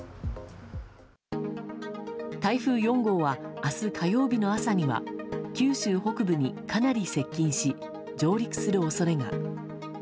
台風４号は、明日火曜日の朝には九州北部にかなり接近し上陸する恐れが。